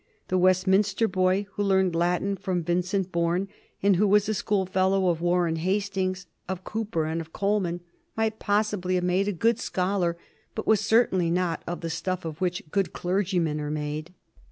The Westminster boy who learned Latin under Vincent Bourne, and who was a schoolfellow of Warren Hastings, of Cowper, and of Colman, might possibly have made a good scholar, but was certainly not of the stuff of which good clergymen are made.